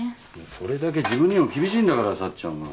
それだけ自分にも厳しいんだからさっちゃんは。